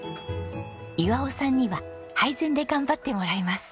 岩男さんには配膳で頑張ってもらいます。